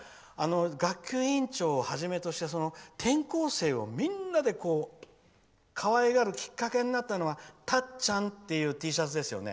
学級委員長をはじめとして転校生をみんなでかわいがるきっかけになったのはたっちゃんっていうＴシャツですよね。